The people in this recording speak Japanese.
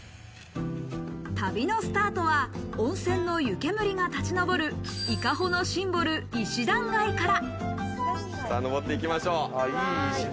旅のスタートは温泉の湯けむりが立ち上る伊香保のシンボル、石段街から。